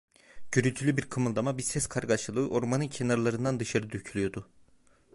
Gürültülü bir kımıldama, bir ses kargaşalığı ormanın kenarlarından dışarı dökülüyordu.